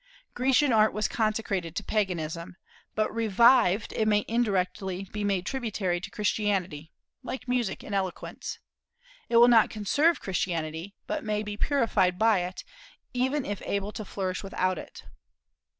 Grecian Art was consecrated to Paganism, but, revived, it may indirectly be made tributary to Christianity, like music and eloquence. It will not conserve Christianity, but may be purified by it, even if able to flourish without it.